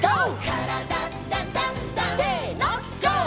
「からだダンダンダン」せのＧＯ！